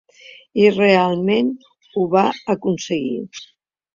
I realment ho va aconseguir!